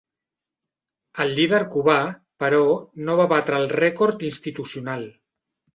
El líder cubà, però, no va batre el rècord institucional.